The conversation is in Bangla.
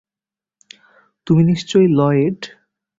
তুমি নিশ্চয়ই লয়েড।